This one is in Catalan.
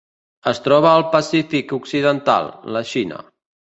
Es troba al Pacífic occidental: la Xina.